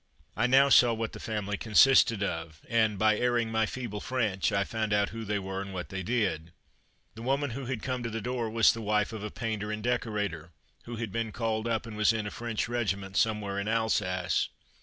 I now saw what the family consisted of; and by airing my feeble French, I found out who they were and what they did. The woman who had come to the door was the wife of a painter and decorator, who had been called up, and was in a French regiment somewhere in Alsace.